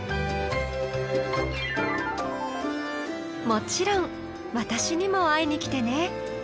もちろん私にも会いに来てね。